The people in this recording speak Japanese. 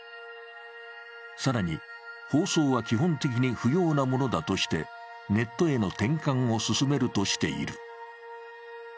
更に放送は基本的に不要なものだとしてネットへの転換を進めるとしている。